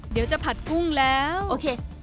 เดี๋ยวจะผัดกุ้งแล้วโอเค